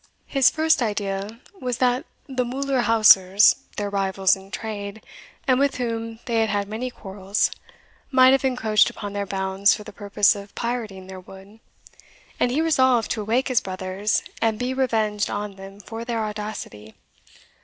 His first idea was, that the Muhllerhaussers, their rivals in trade, and with whom they had had many quarrels, might have encroached upon their bounds for the purpose of pirating their wood; and he resolved to awake his brothers, and be revenged on them for their audacity.